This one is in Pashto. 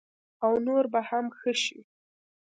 او نور به هم ښه شي.